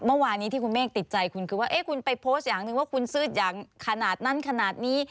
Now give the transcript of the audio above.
เมื่อวานนี้ที่คุณเมฆติดใจคุณคือว่าคุณไปโพสต์อย่างหนึ่งว่าคุณซื้ออย่างขนาดนั้นขนาดนี้